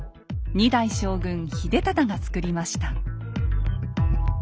２代将軍秀忠が作りました。